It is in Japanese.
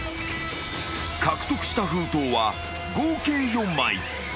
［獲得した封筒は合計４枚］頼む。